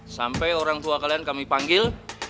sampai orang tua kalian kami panggil